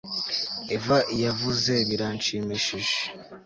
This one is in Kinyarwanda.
Eva yavuze biranshimishije